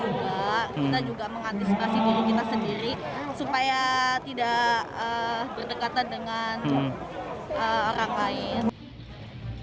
juga kita juga mengantisipasi diri kita sendiri supaya tidak berdekatan dengan orang lain